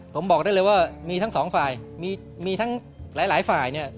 ผมบอกได้เลยว่ามีทั้ง๒ฝ่ายและมีแต่หลายฝ่าย